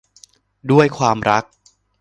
ด้วยความรัก